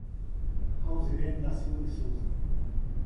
Auzirene da Silva de Souza